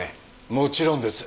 もちろんです。